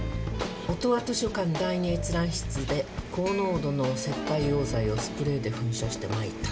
「音羽図書館・第二閲覧室で高濃度の石灰硫黄剤をスプレーで噴射して撒いた」